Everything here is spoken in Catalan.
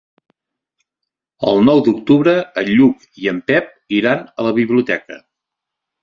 El nou d'octubre en Lluc i en Pep iran a la biblioteca.